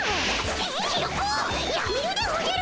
ヒヨコやめるでおじゃる！